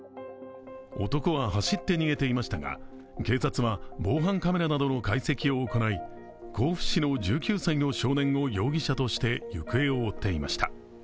男は走って逃げていましたが、警察は防犯カメラなどの解析を行い甲府市の１９歳の少年を容疑者として行方を追っていました。